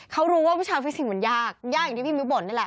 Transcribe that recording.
เขารู้ว่าวิชาฟิสิกมันยากยากอย่างที่พี่มิ้วบ่นนี่แหละ